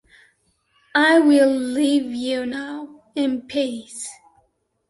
I will leave you now, in peace.